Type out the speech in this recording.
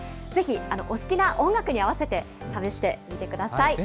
ぜひお好きな音楽に合わせて試してみてください。